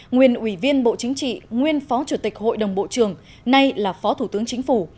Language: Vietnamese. nguyên ủy viên bộ chính trị nguyên phó chủ tịch hội đồng bộ trưởng nay là phó thủ tướng chính phủ